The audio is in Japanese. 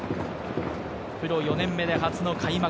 プロ４年目で初の開幕